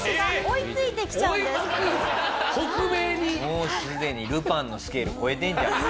もうすでに『ルパン』のスケール超えてんじゃん。